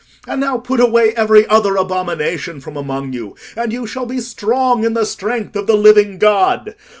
And now put away every other abomination from among you, and you shall be strong in the strength of the living God.